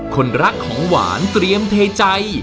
คนรักของหวานเตรียมเทใจ